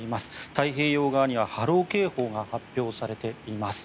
太平洋側には波浪警報が発表されています。